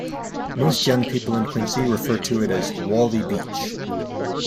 Most young people in Quincy refer to it as "Wolly Beach".